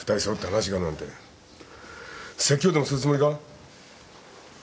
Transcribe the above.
説教でもするつもりか？